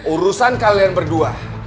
urusan kalian berdua